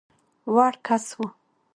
وړ کس وو.